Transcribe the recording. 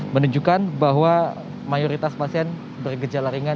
menunjukkan bahwa mayoritas pasien bergejala ringan